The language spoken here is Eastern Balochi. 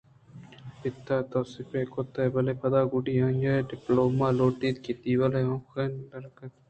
پت ءِ توسیپے کُت بلئے پدا گڈّی ءَ آئی ءَ ڈپلومہ لوٹ اِت کہ دیوال ءَ میخ ءَ درٛتکگ اَت